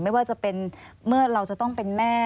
ไม่ว่าจะเป็นเมื่อเราจะต้องเป็นแม่